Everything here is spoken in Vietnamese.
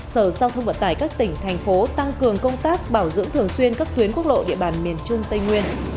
sở sau thông vận tải các tỉnh thành phố tăng cường công tác bảo dưỡng thường xuyên các tuyến quốc lộ địa bàn miền trung